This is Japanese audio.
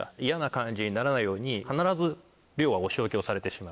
必ずはお仕置きをされてしまう。